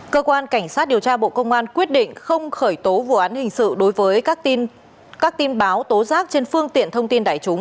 cơ quan cảnh sát điều tra bộ công an quyết định không khởi tố vụ án hình sự đối với các tin báo tố giác trên phương tiện thông tin đại chúng